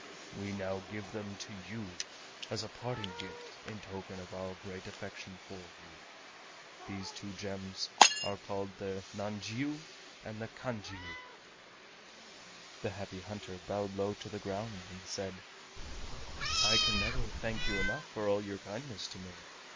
We now give them to you as a parting gift in token of our great affection for you. These two gems are called the nanjiu and the kanjiu." The Happy Hunter bowed low to the ground and said: "I can never thank you enough for all your kindness to me.